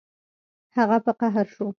هغه په قهر شو